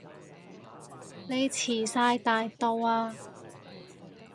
你遲哂大到啊